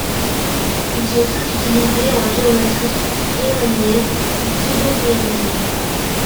Ils sont très utilisés en géométrie riemannienne ou pseudo-riemannienne.